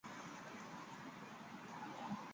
越看越起劲